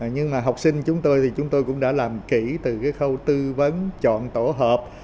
nhưng mà học sinh chúng tôi thì chúng tôi cũng đã làm kỹ từ cái khâu tư vấn chọn tổ hợp